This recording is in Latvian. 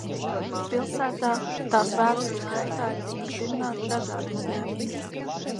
Pilsētā tās vēstures gaitā ir tikuši dibināti dažādi uzņēmumi.